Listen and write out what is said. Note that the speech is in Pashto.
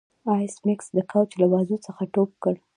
ایس میکس د کوچ له بازو څخه ټوپ کړ